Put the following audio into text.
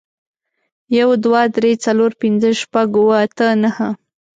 يو، دوه، درې، څلور، پينځه، شپږ، اووه، اته، نهه